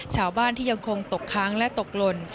ชาวบ้านที่ยังคงตกค้างและตกหล่น